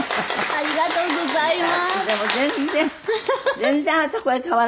ありがとうございます。